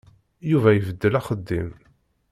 Yuba ibeddel axeddim.